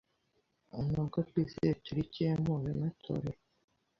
Nubwo twizihize teriki ye mpuzemetorero